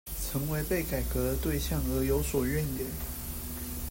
成為被改革的對象而有所怨言